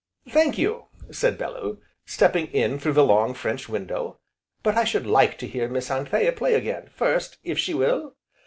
"Thank you!" said Bellew, stepping in through the long French window, "but I should like to hear Miss Anthea play again, first, if she will?"